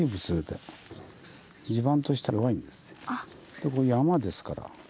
あ！でこれ山ですから。